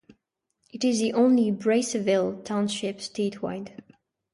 It is the only Braceville Township statewide.